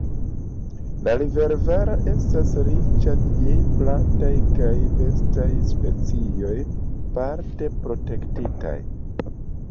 La river-valo estas riĉa je plantaj kaj bestaj specioj, parte protektitaj.